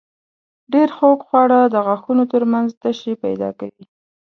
ډېر خوږ خواړه د غاښونو تر منځ تشې پیدا کوي.